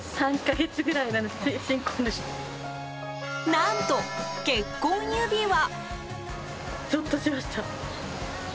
何と、結婚指輪。